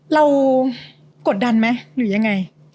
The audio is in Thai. กดดันไหมหรือยังไง